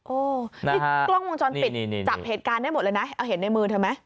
ที่กล้องวงจรปิดจับเหตุการณ์ได้หมดเลยนะเอาเห็นในมือเธอไหม